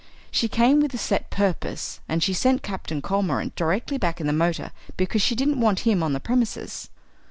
She came with a set purpose, and she sent Captain Cormorant directly back in the motor because she didn't want him on the premises.